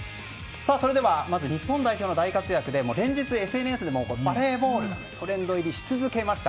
それではまず日本代表の大活躍で連日ＳＮＳでもバレーボールがトレンド入りし続けました。